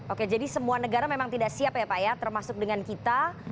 oke jadi semua negara memang tidak siap ya pak ya termasuk dengan kita